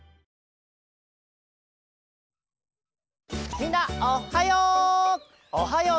みんなおっはよう！